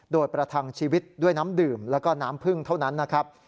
โดยประทังชีวิตด้วยน้ำดื่มแล้วก็น้ำพึ่งเท่านั้นนะครับ